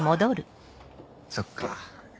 そっか。